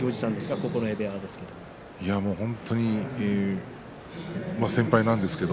九重部屋ですけれど。